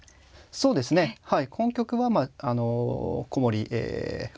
そうですねはい。